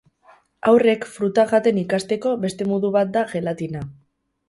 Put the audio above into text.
Haurrek fruta jaten ikasteko beste modu bat da gelatina.